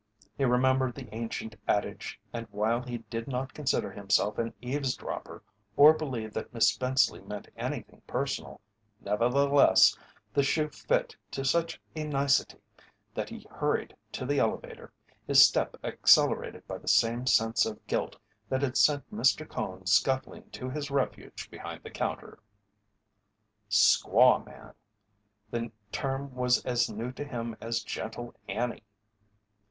He remembered the ancient adage, and while he did not consider himself an eavesdropper or believe that Miss Spenceley meant anything personal, nevertheless the shoe fit to such a nicety that he hurried to the elevator, his step accelerated by the same sense of guilt that had sent Mr. Cone scuttling to his refuge behind the counter. "Squaw man" the term was as new to him as "Gentle Annie."